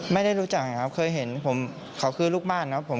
ไม่ได้รู้จักนะครับเคยเห็นผมเขาคือลูกบ้านครับผม